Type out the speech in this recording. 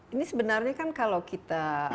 ini sebenarnya kan kalau kita